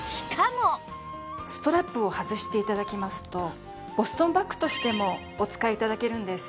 ストラップを外して頂きますとボストンバッグとしてもお使い頂けるんです。